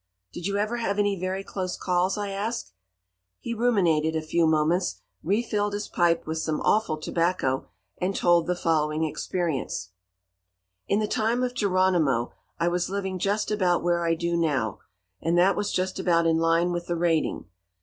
"Did you ever have any very close calls?" I asked. He ruminated a few moments, refilled his pipe with some awful tobacco, and told the following experience: "In the time of Geronimo I was living just about where I do now; and that was just about in line with the raiding.